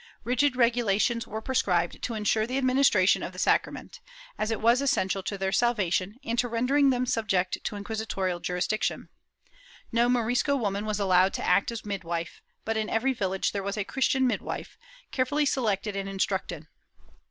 Rigid regulations were prescribed to ensure the administration of the sacrament, as it was essential to their sal vation and to rendering them subject to inquisitorial jurisdiction. No Morisco woman was allowed to act as midwife, but in every village there was a Christian midwife, carefully selected and instructed.